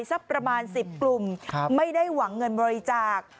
สักประมาณ๑๐กลุ่มไม่ได้หวังเงินบริจาค